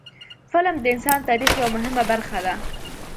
فلم د انسان د تاریخ یوه مهمه برخه ده